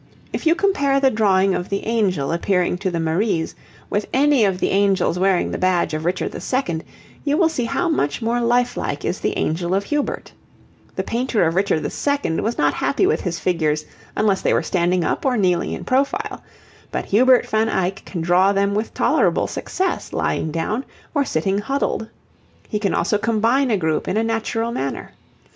If you compare the drawing of the angel appearing to the Maries with any of the angels wearing the badge of Richard II., you will see how much more life like is the angel of Hubert. The painter of Richard II. was not happy with his figures unless they were standing up or kneeling in profile, but Hubert van Eyck can draw them with tolerable success lying down, or sitting huddled. He can also combine a group in a natural manner.